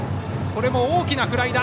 これも大きなフライだ。